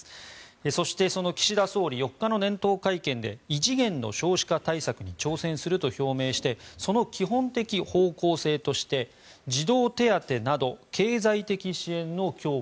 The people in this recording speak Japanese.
そして、その岸田総理４日の年頭会見で異次元の少子化対策に挑戦すると表明してその基本的方向性として児童手当など経済的支援の強化